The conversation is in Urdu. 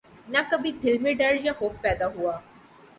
نہ کبھی دل میں ڈر یا خوف پیدا ہوا